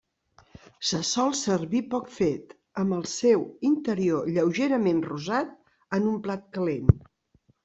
Se sol servir 'Poc fet', amb el seu interior lleugerament rosat, en un plat calent.